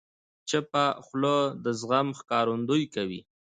چپه خوله، د زغم ښکارندویي کوي.